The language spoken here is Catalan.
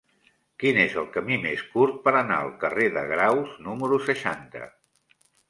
Quin és el camí més curt per anar al carrer de Graus número seixanta?